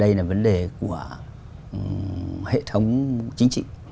đây là vấn đề của hệ thống chính trị